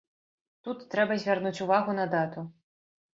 Тут трэба звярнуць увагу на дату.